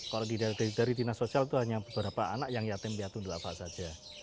kalau dari dinas sosial itu hanya beberapa anak yang yatim piatu ndolava saja